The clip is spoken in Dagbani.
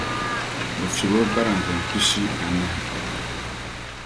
Bɛ fiɛbi o barazim pishi anahi.